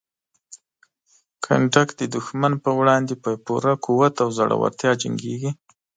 کنډک د دښمن په وړاندې په پوره قوت او زړورتیا جنګیږي.